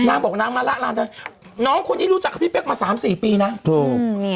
นางบอกนางมาละลานเธอน้องคนนี้รู้จักกับพี่เป๊กมาสามสี่ปีนะถูกนี่